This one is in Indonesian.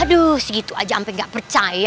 aduh segitu aja sampai gak percaya